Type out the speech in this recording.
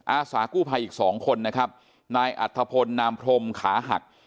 อาสากู้ภัยอีกสองคนนะครับนายอัธพลนามพรมขาหัก